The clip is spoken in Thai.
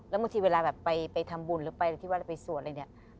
แล้วบางทีเวลาแบบไปทำบุญหรือไปที่วัดหรือไปสวดอะไรเนี่ย